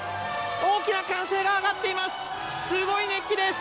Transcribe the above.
大きな歓声が上がっています。